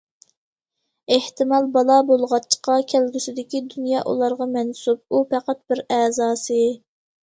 ئېھتىمال، بالا بولغاچقا كەلگۈسىدىكى دۇنيا ئۇلارغا مەنسۇپ، ئۇ پەقەت بىر ئەزاسى.